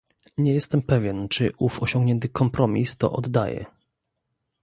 Nie jestem pewien, czy ów osiągnięty "kompromis" to oddaje